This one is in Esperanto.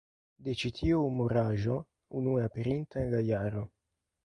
De ĉi tiu humoraĵo, unue aperinta en la jaro